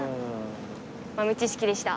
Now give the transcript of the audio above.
豆知識でした。